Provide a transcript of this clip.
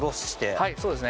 はい、そうですね。